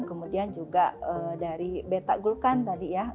kemudian juga dari beta gulkan tadi ya